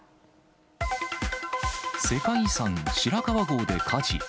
世界遺産、白川郷で火事。